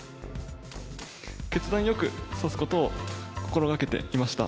決断よく指すことを心がけていました。